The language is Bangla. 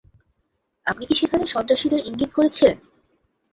আপনি কি সেখানে সন্ত্রাসীদের ইঙ্গিত করেছিলেন?